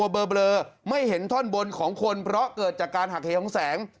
เบลอไม่เห็นท่อนบนของคนเพราะเกิดจากการหักเหของแสง